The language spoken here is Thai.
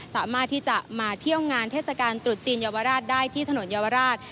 สามารถที่จะมาเที่ยวงานเทศกาลตรุษจีนเยาวราชได้ที่ถนนเยาวราช